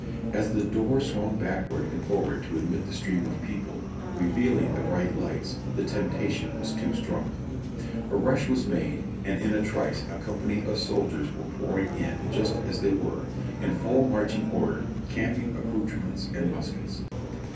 As the door swung backward and forward to admit the stream of people, revealing the brilliant lights, the temptation was too strong. A rush was made, and in a trice a company of soldiers were pouring in just as they were, in full marching order, camping accoutre ments and muskets.